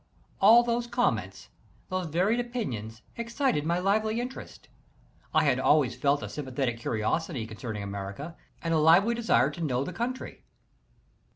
All those comments, those varied opinions, excited my lively interest. I had always felt a sympathetic curi osity concerning America, and a lively desire to know the country.